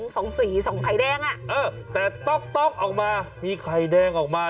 สองสีสองไข่แดงอ่ะ